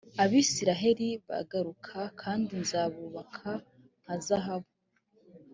aba isirayeli bagaruka kandi nzabubaka nka zahabu